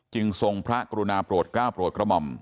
ทรงพระกรุณาโปรดก้าวโปรดกระหม่อม